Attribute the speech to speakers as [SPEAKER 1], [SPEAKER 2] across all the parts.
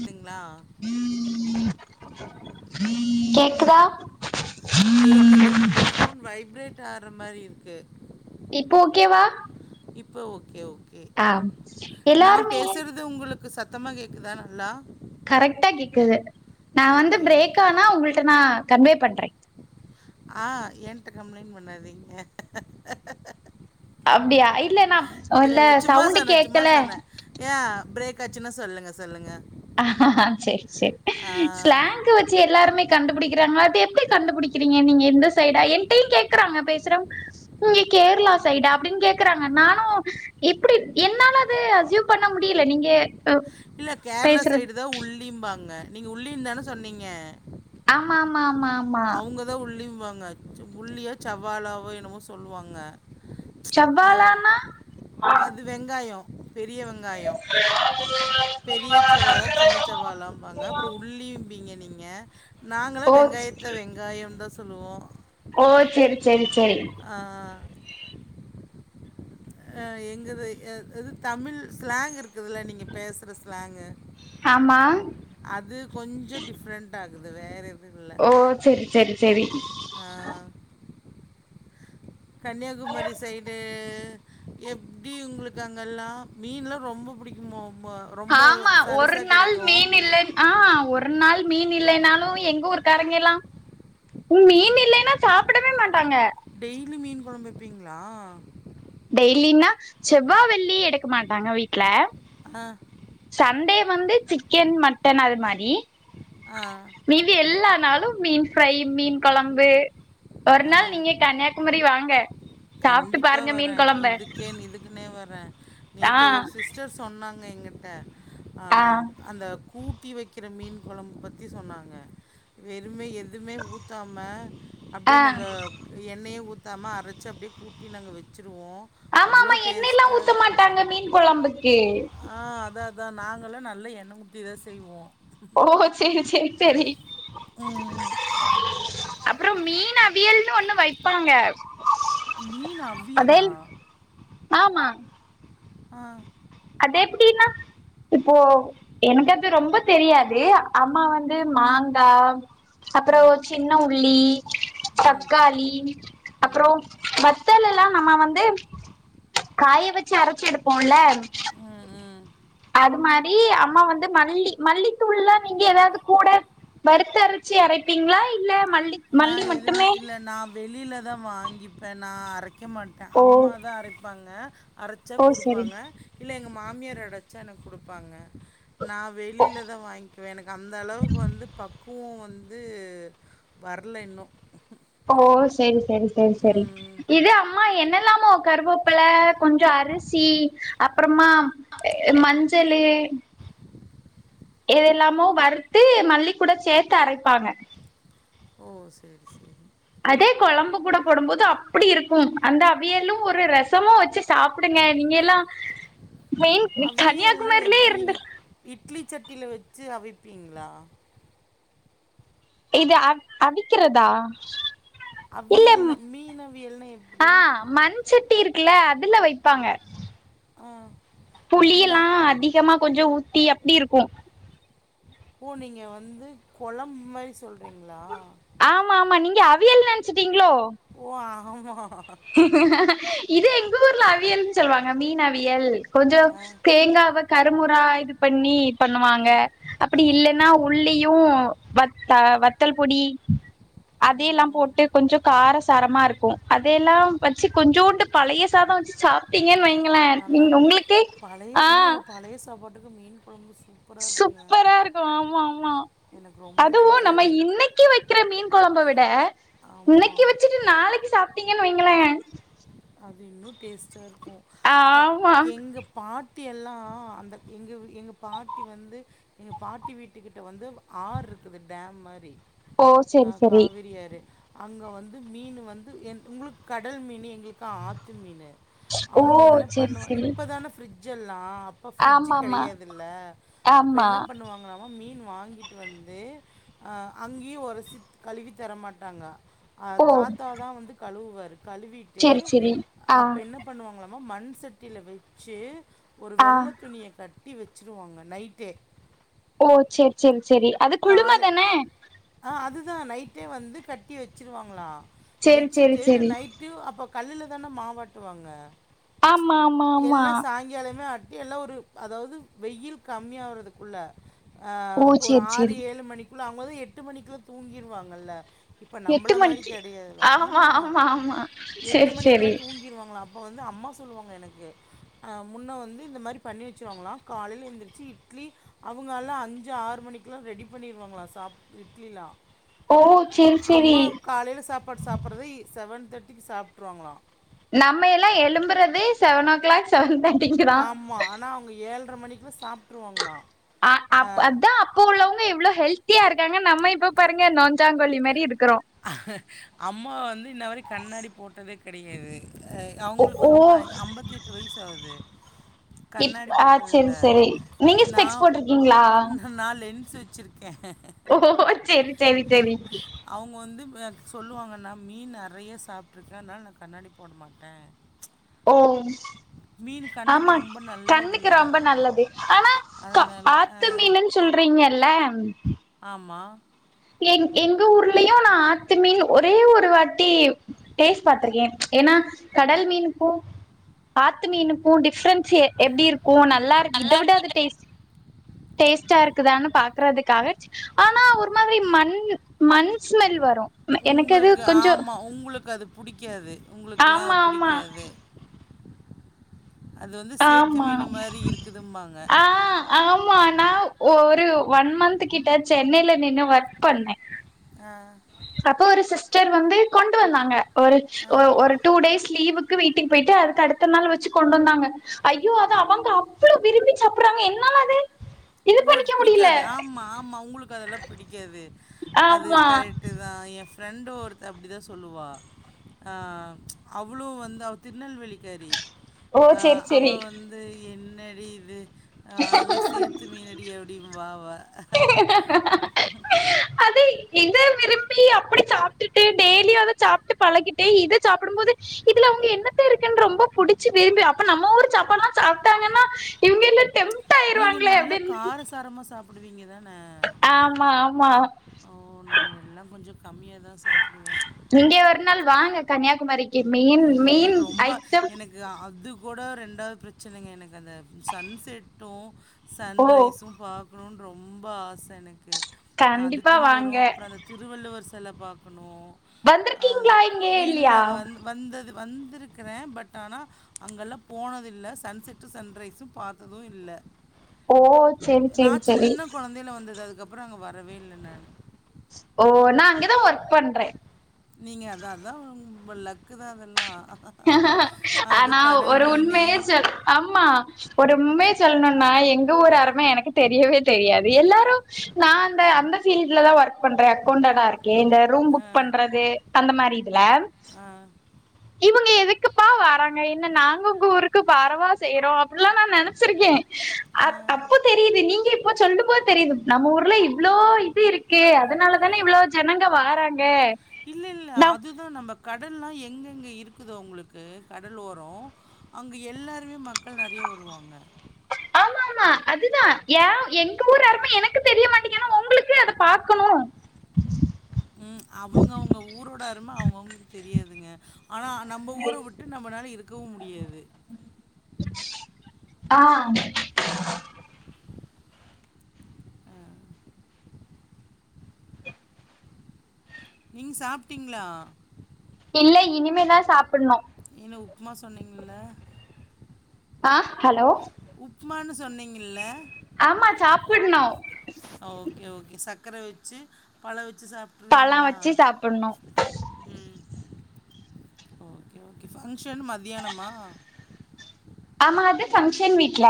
[SPEAKER 1] அப்டிங்ளா
[SPEAKER 2] கேக்குதா
[SPEAKER 1] கேக்குது உங்கப் ஃபோன் வைப்ரேட் ஆற மாரி இருக்கு
[SPEAKER 2] இப்ப ஓகேவா
[SPEAKER 1] இப்ப ஓகே ஓகே
[SPEAKER 2] ஆ
[SPEAKER 1] நா
[SPEAKER 2] எல்லாருமே
[SPEAKER 1] பேசுறது உங்களுக் கு சத்தமா கேக்குதா நல்லா
[SPEAKER 2] கரெக்டா கேக்குது நா வந்து
[SPEAKER 1] ஓகே
[SPEAKER 2] ப்ரேக்
[SPEAKER 1] ஓகே
[SPEAKER 2] ஆனா உங்கள்ட்ட நா கன்வே பண்றே
[SPEAKER 1] ஆ ஏன்ட கம்ப்ளைண்ட் பண்ணாதீங்க
[SPEAKER 2] அப்டியா இல்ல நா அ இல்ல சவுண்டு கேக்கல
[SPEAKER 1] யா ப்ரேக் ஆச்சுனா சொல்லுங்க சொல்லுங்க
[SPEAKER 2] ஆ சேரி சேரி ஸ்லாங்கு வச் ச்சு எல்லாருமே கண்டுபுடிக்கிறாங்க அது எப்டி கண்டுபுடிக்கிறீங்க நீங்க எந்த சைடா என்ட்டையு கேக்குறாங்க பேசுறவுங் நீங்க கேரளா சைடா அப்டினு கேக்குறாங்க நானு எப்டி இப் என்னால அது அஸ்யூம் பண்ண முடியில நீங்க அப்
[SPEAKER 1] இல்ல கேரளா சைடு தா உள்ளிம்பாங்க நீங்க உள்ளின் தான சொன்னீங்க
[SPEAKER 2] ஆமா ஆமா ஆமா ஆம்
[SPEAKER 1] அவுங்கதா உள்ளிம்பாங்க உள்ளியா சவ்லாவோ என்னமோ சொல்லுவாங்க அஹ்,
[SPEAKER 2] சவ்வாலான்னா
[SPEAKER 1] அது வெங்காயோ பெரிய வெங்காயோ பெரிய செவ்வாலா சின்ன செவ்வாலாம் வாங்க அப்புறோ உள்ளிம்பீங்க நீங்க நாங்களா
[SPEAKER 2] ஓ
[SPEAKER 1] வெங்காயத்த வெங்காயம்தா சொல்லுவோ.
[SPEAKER 2] ஓ செரி செரி செரி.
[SPEAKER 1] ஆ ஆ. அ எங்குது எத் இது தமிழ் ஸ்லாங் இருக்குதுல்ல நீங்க பேசற ஸ்லாங்கு
[SPEAKER 2] ஆமா
[SPEAKER 1] அது கொஞ்சோ டிஃப்ரண்ட் ஆகுது வேற எது இல்
[SPEAKER 2] ஓ செரி செரி செரி.
[SPEAKER 1] ஆ.
[SPEAKER 2] [inaudible]
[SPEAKER 1] கன்னியாகுமரி சைடு எப்டி உங்குளுக்கு அங்கல்லா மீன்லா ரொம்போ பிடிக்குமோ மோ
[SPEAKER 2] ஆமா ஒர் நாள் மீன் இல்லன் ஆ ஒர் நாள் மீன் இல்லைனாலு எங்க ஊர்க்காரங்க எல்லா ம் மீன் இல்லைனா சாப்படவே மாட்டாங்க.
[SPEAKER 1] டெய்லியு மீன் கொழம்பு வெப்பீங்ளா?
[SPEAKER 2] டெய்லினா செவ்வா வெள்ளி எடுக்க மாட்டாங்க வீட்ல.
[SPEAKER 1] அ
[SPEAKER 2] சண்டே வந்து சிக்கன் மட்டன் அது மாரி.
[SPEAKER 1] ஆ.
[SPEAKER 2] மீதி எல்லா நாளு மீன் ஃப்ரை மீன் கொழம்பு ஒரு நாள் நீங்க கன்னியாக் குமரி வாங்க. சாப்ட்டு
[SPEAKER 1] கண்டிப்பா
[SPEAKER 2] பாருங்க மீன்
[SPEAKER 1] வரே
[SPEAKER 2] கொழம்ப
[SPEAKER 1] இதுக்கேன் இதுக்குன்னே வரே நேத்து ஒரு
[SPEAKER 2] ஆ
[SPEAKER 1] சிஸ்டர் ஸ் சொன்னாங்க எங்கிட்ட அ
[SPEAKER 2] ஆ
[SPEAKER 1] ம் அந்த கூட் தி வெக்கிற மீன் கொழம்பு பத்தி சொன்னாங்க வெறுமை எது துமே ஊத்தாம அப்டே
[SPEAKER 2] ஆ
[SPEAKER 1] நாங்க எண்ணையே ஊத்தாம அரச்சு அப்டியே கூட்டி நாங்க வெச்சுருவோ.
[SPEAKER 2] ஆமாமா எண்ணெய்லா ஊத்த மாட்டாங்க மீன் கொழம்புக்கு.
[SPEAKER 1] ஆ அதா அதா நாங்கள்லா நல்லா எண்ண ஊத்திதா செய்வோ.
[SPEAKER 2] ஓ செரி செரி செரி.
[SPEAKER 1] ம்
[SPEAKER 2] அப்றம் மீன் அவியல்னு ஒன்னு வைப்பாங்க.
[SPEAKER 1] மீன் அவியலா?
[SPEAKER 2] அதேல் ஆமா.
[SPEAKER 1] ஆ.
[SPEAKER 2] அது எப்டின்னா இப்போ எனக்கு அது ரொம்ப தெரியாது அம்மா வந்து மாங்கா அப்ற ஒ
[SPEAKER 1] ம்
[SPEAKER 2] சின்ன உள்ளி,
[SPEAKER 1] ம்
[SPEAKER 2] தக்காளி
[SPEAKER 1] ம்
[SPEAKER 2] அப்றோம் வத்தல் எல்லா நம்ம வந்து காய வெச்சு அரைச்சி எடுப்போ இல்ல
[SPEAKER 1] ம் ம்.
[SPEAKER 2] அது மாரி அம்மா வந்து மல்லி மல்லித்தூள்ல்லா நீங்க எதாவது கூட வறுத்து அரைச்சி அரைப்பீங்ளா இல்ல மல்லி
[SPEAKER 1] நா
[SPEAKER 2] மல்லி
[SPEAKER 1] எதுமே
[SPEAKER 2] மட்டுமே
[SPEAKER 1] இல்ல நாம் வெளில தா வாங்கிப்பே நா அரைக்க மாட்டே அம்மாதா அரைப்பாங்க. அரைச்சா
[SPEAKER 2] ஓ சரி
[SPEAKER 1] குடுப்பாங்க இல்ல எங்க மாமியார் அடைச்சா எனக் குடுப்பாங்க. நா வெளிலதா வாய்ங்க்குவே எனக்கு அந்தளவுக்கு வந்து பக்குவோ வந்து வர்ல இன்னு.
[SPEAKER 2] ஓ செரி செரி செரி செரி
[SPEAKER 1] ம்.
[SPEAKER 2] இது அம்மா என்னல்லாமோ கருவேப்பள கொஞ்ச அரிசி அப்றமா மஞ்சளு எதெல்லாமோ வறுத்து மல்லிக் கூட சேத்து அரைப்பாங்க
[SPEAKER 1] ஓ சேரி சேரி
[SPEAKER 2] அதே கொழம்பு கூட போடும்போது அப்படி இருக்கு அந்த அவியலு ஒரு ரசமு வச்சு சாப்புடுங்க நீங்கல்லா மெயின்
[SPEAKER 1] அவியல்னா
[SPEAKER 2] கன்னியாகுமாரிலயே
[SPEAKER 1] எப்படி
[SPEAKER 2] இருந்து
[SPEAKER 1] இட்- இட்லி சட்டில வச்சு அவிப்பீங்ளா
[SPEAKER 2] இது அ அவிக்றதா
[SPEAKER 1] அவியல்னா மீன் அவியல்னா
[SPEAKER 2] ஆ
[SPEAKER 1] எப்டி
[SPEAKER 2] மண் சட்டி இருக்குல்ல அதுல வைப்பாங்க
[SPEAKER 1] ஆ
[SPEAKER 2] புளியலா
[SPEAKER 1] இல்லை
[SPEAKER 2] அதிகமா கொஞ்ச ஊத்தி அப்டி இருக்கு
[SPEAKER 1] ஓ நீங்க வந்து கொழம்பு மாரி சொல்றீங்ளா
[SPEAKER 2] ஆமா ஆமா நீங்க அவியல்னு நெனைச்சுட்டீங்ளோ
[SPEAKER 1] ஓ ஆமா
[SPEAKER 2] இது எங்க ஊர்ல அவியல்ன்னு சொல்லுவாங்க மீன் அவியல் கொஞ்ச
[SPEAKER 1] ஆ,
[SPEAKER 2] தேங்காவ கருமுறா இது பண்ணி பண்ணுவாங்க அப்படி இல்லன்னா உள்ளியு வத் வத்தல் பொடி அதையெல்லா
[SPEAKER 1] ம்,
[SPEAKER 2] போட்டு கொஞ்ச கார சரமா இருக்கு அதையெல்லா வச்சு கொஞ்சோண்டு பழைய சாத வச்சு சாப்ட்டீங்கன் வைங்களே
[SPEAKER 1] நல்லா
[SPEAKER 2] நீங்க
[SPEAKER 1] இருக்கும்
[SPEAKER 2] உங்களுக்கு
[SPEAKER 1] பழைய இல்லல்ல ப ழைய சாப்பாடு க்கு மீன் கொழம்பு சூப்
[SPEAKER 2] சூப்பரா இருக்கு ஆமா ஆமா
[SPEAKER 1] எனக்கு ரொம்ப
[SPEAKER 2] அதுவு
[SPEAKER 1] பிடிக்கும்
[SPEAKER 2] நம்ம
[SPEAKER 1] அது
[SPEAKER 2] இன்னைக்கி வக் கிற மீன் கொழம்ப விட இன்னைக்கு
[SPEAKER 1] ஆமாம்
[SPEAKER 2] வச்சிட்டு நாளைக்கு சாப்ட்டீங்கன்னு வைங்களே
[SPEAKER 1] அது இன்னு டேஸ்ட்டா இருக்கு அ
[SPEAKER 2] ஆமா
[SPEAKER 1] எங்க பாட்டி எல்லா அந்த எங்க எங்க பாட்டி வந்து எங்க பாட்டி வீட்டு கிட்ட வந்து ஆறு இருக்குது டேம் மாரி
[SPEAKER 2] ஓ
[SPEAKER 1] அ
[SPEAKER 2] செரி செரி
[SPEAKER 1] காவிரி ஆறு அங்க வந்து மீனு வந்து உங்களுக்கு கடல் மீனு எங்களுக் கா ஆத்து மீனு
[SPEAKER 2] ஓ
[SPEAKER 1] அவங்க என்ன
[SPEAKER 2] செரி
[SPEAKER 1] பண்ணுவா
[SPEAKER 2] செரி
[SPEAKER 1] இப்பதானே ஃப்ரிட்ஜ் எல்லா அப்ப ஃப்ரிட்ஜ்
[SPEAKER 2] ஆமாமா
[SPEAKER 1] கெடையாதுல்ல அப்ப
[SPEAKER 2] ஆமா ஆமா.
[SPEAKER 1] என்ன பண்ணுவாங்ளாமா மீன் வாங்கிட்டு வந்து அ அங்கயு ஒரசி கழுவி தரமாட்டாங்க அ
[SPEAKER 2] ஓ
[SPEAKER 1] தாத்தாதா வந்து கழுவுவார் கழுவி
[SPEAKER 2] செரி செரி ஆ
[SPEAKER 1] பண்ணுவாங்ளாமா மண் சட்டில வெச்சு ஒரு
[SPEAKER 2] ஆ
[SPEAKER 1] வெள்ள துணிய கட் டி வச்சிருவாங்க நைட்டே
[SPEAKER 2] ஓ சேரி சேரி சேரி
[SPEAKER 1] காலே ஆ அதுதா நைட்டே வந்து கட்டி வச்சிருவாங்ளா
[SPEAKER 2] செரி செரி
[SPEAKER 1] வெச்சுட்டு
[SPEAKER 2] செரி
[SPEAKER 1] நைட்டு அப்ப கல்லுலதானே மாவாட்டுவாங்க
[SPEAKER 2] ஆமா ஆமா ஆமா
[SPEAKER 1] எல்லா சாயங்காலமே ஆட்டி எல்லா ஒரு அதாவது வெயில் கம்மிய ஆறதுக்குள்ள அ
[SPEAKER 2] ஓ
[SPEAKER 1] இப்ப ஒரு
[SPEAKER 2] செரி
[SPEAKER 1] ஆறு
[SPEAKER 2] செரி
[SPEAKER 1] ஏழு மணிக்குள்ள அவுங்கதா எட்டு மணிக்குள்ள தூங்கிறுவாங்கல்ல இப்ப
[SPEAKER 2] எட்டு
[SPEAKER 1] நம்பள மாரி
[SPEAKER 2] மணிக்கு
[SPEAKER 1] கெடையாதுல ஆமா எட்டு
[SPEAKER 2] செரி
[SPEAKER 1] மணிக்லா
[SPEAKER 2] செரி
[SPEAKER 1] தூங்கிருவாங்களா அப் அப்போ வந்து அம்மா சொல்லுவாங்க எனக்கு அ முன்ன வந்து இந்த மாரி பண்ணி வச்சிருவாங்களா காலைல எந்திரிச்சி இட்லி அவுங்களா அஞ்சு ஆறு மணிக்கலா ரெடி பண்ணிருவாங்ளா சாப் இட்லிலா
[SPEAKER 2] ஓ செரி செரி
[SPEAKER 1] அம்மா காலையில சாப்பாடு சாப்பறது செவன் தேர்ட்டிக்கு சாப்ட்ருவாங்களா
[SPEAKER 2] நம்ம எல்லா எலும்புறது செவன் ஓ கிளாக் செவன் தேர்ட்டிக்கு தா
[SPEAKER 1] ஆமா ஆனா அவுங்க ஏல்ற மணிக்கல சாப்ட்டுருவாங்ளா
[SPEAKER 2] அ அப் அதா இப்ப உள்ளவங்க எவ்ளோ ஹெல்த்தியா இருக்காங்க நம்ம இப்ப பாருங்க நொஞ்சாங்கோழிமாரி இருக்கறோ
[SPEAKER 1] அம்மா வந்து இன்ன வரிக் கண்ணாடி போட்டதே கெடையாது
[SPEAKER 2] ஓ
[SPEAKER 1] அவங்களுக்கு
[SPEAKER 2] ஓ
[SPEAKER 1] வந்து இப்ப அம்பத்தி எட்டு வயசு ஆவுது
[SPEAKER 2] இப்
[SPEAKER 1] கண்ணாடி
[SPEAKER 2] ஆ செரி
[SPEAKER 1] போட்டதில்ல
[SPEAKER 2] செரி நீங்க
[SPEAKER 1] நா
[SPEAKER 2] ஸ்பெக்ஸ் போட்ருக்கீங்களா
[SPEAKER 1] நா லென்ஸ் வச் வச்சிருக்கே
[SPEAKER 2] ஓ சேரி சேரி சேரி
[SPEAKER 1] அவுங்க வந்து எனக் சொல்லுவாங்க நா மீன் நெறைய சாப்ட்ருக்கே அதனால நா கண்ணாடி போட மாட்டே
[SPEAKER 2] ஓம்
[SPEAKER 1] மீன் கண்ணுக்கு
[SPEAKER 2] ஆமா
[SPEAKER 1] ரொம்ப
[SPEAKER 2] கண்ணுக்கு
[SPEAKER 1] நல்லதில்ல
[SPEAKER 2] ரொம்ப நல்லது ஆனா
[SPEAKER 1] அதனால அ
[SPEAKER 2] ஆத்து மீனு சுல்றீங்கல்ல
[SPEAKER 1] ஆமா
[SPEAKER 2] எ எங்க ஊர்லயு நா ஆத்துமீன் ஒரே ஒரு வா எி டேஸ்ட் பாத்துிருக்கேன் ஏன்னா கடல் மீன்க்கு ஆத்து மீனு பூ டிஃப்ரன்ஸ் எப்டி இருக்கு நல்லா இருக்கு இத விட அது டேஸ்ட் டேஸ்டா இருக்குதான்னு பாக்குறதுக்காக ஆனா ஒரு மாதிரி மண் மண் ஸ்மெல் வரு எனக்கு அது
[SPEAKER 1] உங்களுக்கு
[SPEAKER 2] கொஞ்சோ
[SPEAKER 1] ஆமா உங்களுக்கு அது புடிக்காது உங்களுக்கலா அது
[SPEAKER 2] ஆமா ஆமா
[SPEAKER 1] புடிக்காது அது வந்து சேத்து
[SPEAKER 2] ஆமா
[SPEAKER 1] மீனு மாரி இருக்குதும்பாங்க.
[SPEAKER 2] ஆ ஆமா நா ஒரு ஒன் மந்த் கிட்ட சென்னைல நின்னு ஒர்க் பண்ணே
[SPEAKER 1] ஆ
[SPEAKER 2] அப்போ ஒரு சிஸ்டர் வந்து கொண்டு வந்தாங்க ஒருச் ஒ ஒரு டூ டேஸ் லீவுக்கு வீட்டுக்கு போயிட்டு அதுக்கு அடுத்த நாள் வச்சு கொண்டு வந்தாங்க ஐயோ அத அவங்க அவ்ளோ விரும்பி சாப்டறாங்க என்னால அது இது
[SPEAKER 1] உங்களுக்கு
[SPEAKER 2] பண்ணிக்க முடியல
[SPEAKER 1] புடிக்காது ஆமா ஆமா உங்களுக்கு அதெல்லா பிடிக்காது அது
[SPEAKER 2] ஆமா
[SPEAKER 1] கரெக் ட்டுதா எ ஃப்ரெண்ட் ஒருத்த அப்டிதா சொல்லுவா ஆ அவளு வந்து அவ திருநெல்வேலிக்காரி
[SPEAKER 2] ஓ
[SPEAKER 1] ஆ,
[SPEAKER 2] செரி
[SPEAKER 1] அவ
[SPEAKER 2] செரி
[SPEAKER 1] வந்து என்னடி இது அதெல்லா சேத்து எப்டி எப்டி வா வா
[SPEAKER 2] அதி இதை விரும்பி அப்டி சாப்டுட்டு டெய்லியு அத சாப்ட்டு பழகிட்டு இத சாப்படும் போது இதுல அவங்க என்னத்த இருக்குன்னு ரொம்ப புடிச்சு விரும்பி அப்ப நம்ம ஊர் சாப்பாடலா சாப்டாங்கன்னா இவங்க எல்லா டெம்ட்
[SPEAKER 1] நீங்க
[SPEAKER 2] ஆயிருவாங்களே
[SPEAKER 1] நல்ல
[SPEAKER 2] அப்படின்னு
[SPEAKER 1] காரசாரமா சாப்டுவீங்கதான
[SPEAKER 2] ஆமா ஆமா.
[SPEAKER 1] ஓ நாங்க எல்லா கொஞ்சோ கம்மிய தா சாப்டுவோ
[SPEAKER 2] இங்கே ஒரு நாள் வாங்க கன்னியாகுமரிக்கு மீன்
[SPEAKER 1] ஐயோ
[SPEAKER 2] மீன்
[SPEAKER 1] எனக்கு ரொம்ப
[SPEAKER 2] ஐட்டம்.
[SPEAKER 1] எனக்கு அது கூட ரெண்டாவது பிரச்சனங்க எனக்கு அந்த சன் செட்டு
[SPEAKER 2] ஓ
[SPEAKER 1] சன்ரைஸு பாக்கணு ரொம்ப ஆச எனக்கு நான்
[SPEAKER 2] கண்டிப்பா
[SPEAKER 1] அதுக்குன்னு
[SPEAKER 2] வாங்க
[SPEAKER 1] வரும் அப்புறம் அந்த திருவள்ளுவர் செல பாக்குணு
[SPEAKER 2] வந்துருக்கீங்ளா இங்கே இல்லியா
[SPEAKER 1] வந்தது வந்துருக்குறே பட் ஆனா அங்கல்லா போனதில்ல சன்செட்டு சன்ரைஸும் பாத்தது இல்ல
[SPEAKER 2] ஓ செரி
[SPEAKER 1] நா
[SPEAKER 2] செரி செரி
[SPEAKER 1] சின்ன கொழந்தைல வந்தது அதுக்கப்பறோ அங்க வரவே இல்ல நானு
[SPEAKER 2] ஓ நா அங்கேதா வர்க் பண்றே
[SPEAKER 1] நீங்க அத அதா உம்ம லக்கு தா அதல்லா
[SPEAKER 2] ஆனா ஒரு உண்மையே சொல் ஆமா ஒரு உம்மைய சொல்னுன்னா எங்க ஊர் அரும எனக்கே தெரியவே தெரியாது எல்லாரு நா அந்த அந்த ஃபீல்ட்ல தா வர்க் பண்ற அக்கௌன்டடா இர்க்கே இந்த ரூம் புக் பண்றதே அந்த மாரி இதுலம் இவுங்க எதுக்குப்பா வாறாங்க என்ன நாங்க உங்க ஊருக்கு பாரவாஸ் செய்யறோ அப்படில்லா நா நெனச்சிருக்கே அத் தப்புத் தெரியிது நீங்க இப்போ சொல்லும்போது தெரியுது நம்ம ஊர்ல இவ்ளோ இது இருக்கே அதனால தானே இவ்ளோஜ் ஜனங்க வாறாங்க
[SPEAKER 1] இல்ல இல்ல அதுதா நம்ப கடல்லா எங்கெங்க இருக்குதோ உங்ளுக்கு கடல் ஓரோ அங்கு எல்லாருமே மக்கள் நறியா வருவாங்க
[SPEAKER 2] ஆமா ஆமா அதுதா யே எங்க ஊரு அரும எனக்கு தெரிய மாட்டிக்கின்னா உங்களுக்கு அத பாக்கனு
[SPEAKER 1] ம் அவங்கவுங்க ஊரோட அரும அவங்கவுங்களுக்கு தெரியாதுங்க ஆனா நம்ப ஊர விட்டு நம்மளால இருக்கவு முடியாது
[SPEAKER 2] ஆ
[SPEAKER 1] நீங் சாப்ட்டீங்ளா
[SPEAKER 2] இல்ல இனிமேதா சாப்பட்ணு
[SPEAKER 1] என்ன உப்புமா சொன்னீங்கல்ல
[SPEAKER 2] ஆஹ் ஹலோ
[SPEAKER 1] உப்மான்னு சொன்னீங்கிள்ல
[SPEAKER 2] ஆமா ச்சாப்பிட்ணு
[SPEAKER 1] ஓ ஓகே ஓகே சக்கர வெச்சி பழ வெச்சி சாப்
[SPEAKER 2] பழ வச்சி சாப்பின்ணு
[SPEAKER 1] ம் ஓகே ஓகே ஃபங்க்ஷன் மத்யானமா
[SPEAKER 2] ஆமா அது ஃபங்க்ஷன் வீட்ல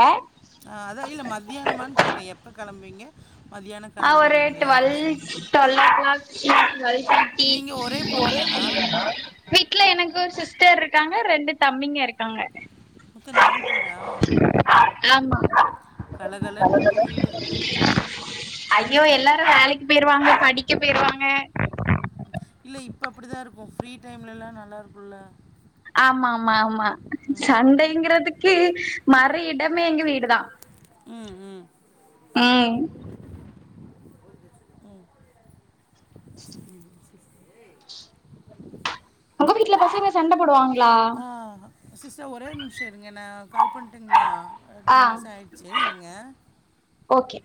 [SPEAKER 1] ஆ அதா இல்ல மத்யானமான் கேட்டே எப்ப களம்ப்வீங்க மதியான கிளம்புவீங்களான்ட்டு
[SPEAKER 2] தொல்லக் நாள் க்ளாக்குகள் கட்டி
[SPEAKER 1] நீங்கள் ஒரே பொண்ணு தானா
[SPEAKER 2] வீட்ல எனக்கு ஒர் சிஸ்டர் ருக்காங்க ரெண்டு தம்பிங்க இருக்காங்க
[SPEAKER 1] மொத்த நாலு பேரா
[SPEAKER 2] ஆமா
[SPEAKER 1] கலகலன் ருக்கு வீடு
[SPEAKER 2] ஐயோ எல்லாரு வேலைக்கு போயிருவாங்க படிக்க போயிருவாங்க
[SPEAKER 1] இல்ல இப்ப அப்படி தா இருக்கு ஃப்ரீ டைம்லலா நல்லார்க்குல்ல
[SPEAKER 2] ஆமா ஆமா ஆமா சண்டைங்கிறதுக்கி மறு இடமே எங்க வீடுதா
[SPEAKER 1] ம் ம்
[SPEAKER 2] ம்
[SPEAKER 1] ம் ம்
[SPEAKER 2] உங்க வீட்ல பசங்க சண்ட போடுவாங்க
[SPEAKER 1] ஆ சிஸ்டர் ஒரே ஒரு நிமிஷோ இருங்க நா கால் பண்ட்டுங்களா
[SPEAKER 2] ஆ
[SPEAKER 1] டென் நிமிஷ் ஆயிடுச்சி இருங்க
[SPEAKER 2] ஓகே